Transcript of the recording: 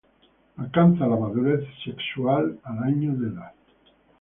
Alcanza la madurez sexual al año de edad.